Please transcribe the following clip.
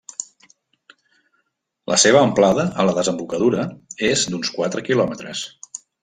La seva amplada, a la desembocadura, és d'uns quatre quilòmetres.